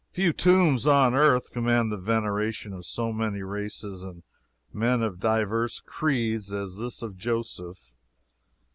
Few tombs on earth command the veneration of so many races and men of divers creeds as this of Joseph.